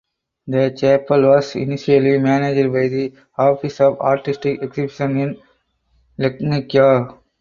The chapel was initially managed by the Office of Artistic Exhibitions in Legnica.